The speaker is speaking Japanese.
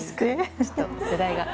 ちょっと世代が。